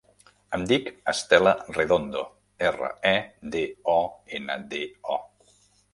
Em dic Estela Redondo: erra, e, de, o, ena, de, o.